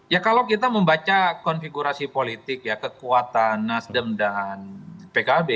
ya kalau kita membaca konfigurasi politik ya kekuatan nasdem dan pkb